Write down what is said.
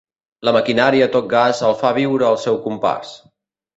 La maquinària a tot gas el fa viure al seu compàs.